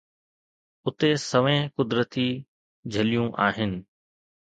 اتي سوين قدرتي جھليون آھن